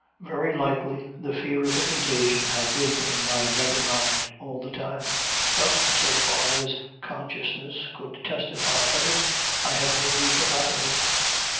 Very likely the fear of the contagion had been in my nether mind all the time, but, so far as consciousness could testify of it, I had wholly forgotten it.